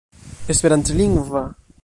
esperantlingva